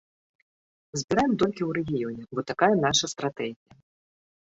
Збіраем толькі ў рэгіёне, бо такая наша стратэгія.